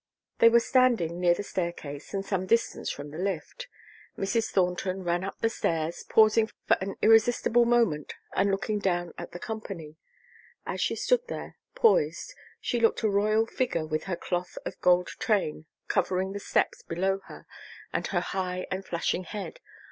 They were standing near the staircase and some distance from the lift. Mrs. Thornton ran up the stairs, pausing for an irresistible moment and looking down at the company. As she stood there, poised, she looked a royal figure with her cloth of gold train covering the steps below her and her high and flashing head.